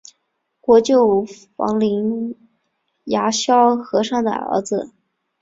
国舅房林牙萧和尚的儿子。